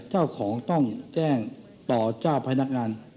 เจ้าของต้องแจ้งต่อเจ้าพนักงาน